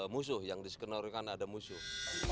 musuh yang diskenarikan ada musuh